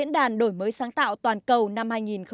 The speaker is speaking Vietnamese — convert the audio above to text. đổi mới sáng tạo toàn cầu năm hai nghìn một mươi tám